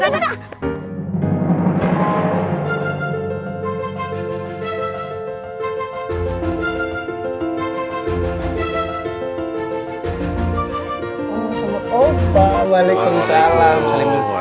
salim dulu salim dulu